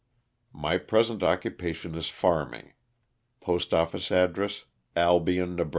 My present occupation is farming. Postoffice address, Albion, Neb.